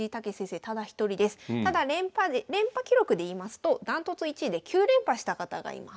ただ連覇記録でいいますとダントツ１位で９連覇した方がいます。